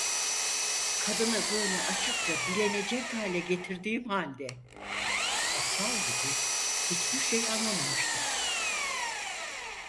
Kadını böyle açıkça dilenecek hale getirdiğim halde aptal gibi hiçbir şey anlamamıştım.